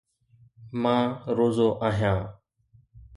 مان روزو آهيان